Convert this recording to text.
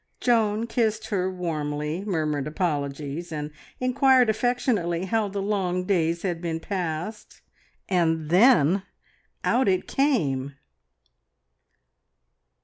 Joan kissed her warmly, murmured apologies, and inquired affectionately how the long days had been passed. And then out it came!